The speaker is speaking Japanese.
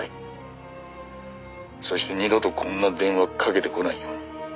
「そして二度とこんな電話かけてこないように」